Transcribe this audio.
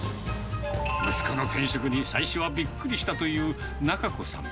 息子の転職に、最初はびっくりしたという仲子さん。